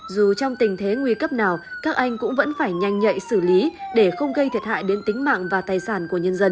dù trong tình thế nguy cấp nào các anh cũng vẫn phải nhanh nhạy xử lý để không gây thiệt hại đến tính mạng và tài sản của nhân dân